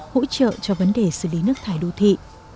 hỗ trợ cho vấn đề xử lý nước thải đô thị